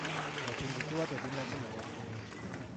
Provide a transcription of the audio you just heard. Ekintu tuba tetunnakimanya bulungi.